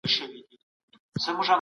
احمد شاه بابا څنګه لوی سو؟